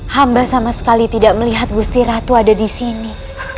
hamba sama sekali tidak melihat gusti ratu ada di sini